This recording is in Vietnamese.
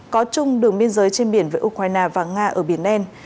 có chung đường biên giới trên biển với ukraine và nga ở biển đen